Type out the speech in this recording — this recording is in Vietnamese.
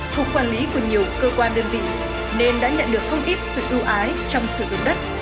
thuộc quản lý của nhiều cơ quan đơn vị nên đã nhận được không ít sự ưu ái trong sử dụng đất